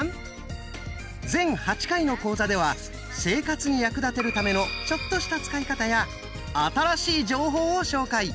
全８回の講座では生活に役立てるためのちょっとした使い方や新しい情報を紹介。